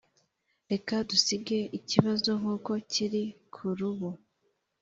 reka dusige ikibazo nkuko kiri kurubu.